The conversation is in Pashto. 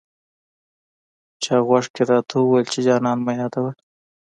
چا غوږ کې راته وویې چې جانان مه یادوه.